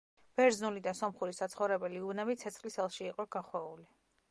ბერძნული და სომხური საცხოვრებელი უბნები ცეცხლის ალში იყო გახვეული.